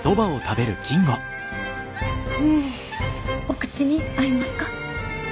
お口に合いますか？